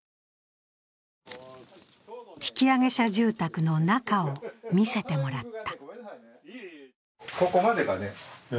引揚者住宅の中を見せてもらった。